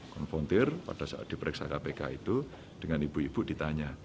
konfrontir pada saat diperiksa kpk itu dengan ibu ibu ditanya